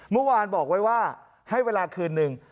เมื่อวานบอกไว้ว่าให้เวลาคืนนึง